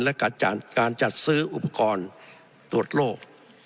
และการจัดซื้ออุปกรณ์ตรวจโรค